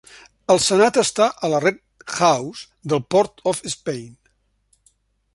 El Senat està a la Red House del Port-of-Spain.